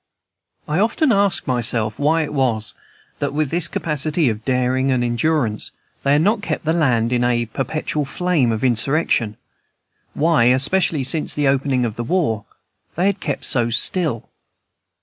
I often asked myself why it was that, with this capacity of daring and endurance, they had not kept the land in a perpetual flame of insurrection; why, especially since the opening of the war, they had kept so still.